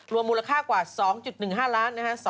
มูลค่ากว่า๒๑๕ล้านนะฮะ